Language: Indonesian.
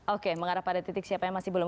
oke mengarah kepada titik siapannya masih belum